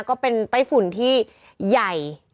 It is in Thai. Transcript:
ก็เป็นไต้ฝุ่นที่ใหญ่